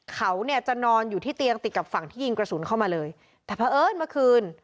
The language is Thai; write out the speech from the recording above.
เขาเนี่ยจะนอนอยู่ที่เตียงติดกับฝั่งที่ยิงกระสุนเข้ามาเลยแต่เพราะเอิญเมื่อคืน